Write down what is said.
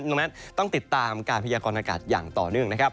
ดังนั้นต้องติดตามการพยากรณากาศอย่างต่อเนื่องนะครับ